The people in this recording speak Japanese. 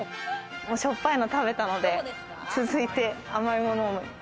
塩っぱいの食べたので、続いて甘いものを。